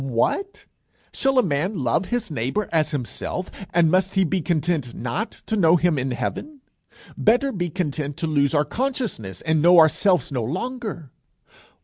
What! shall a man love his neighbour as himself, and must he be content not to know him in heaven? Better be content to lose our consciousness, and know ourselves no longer.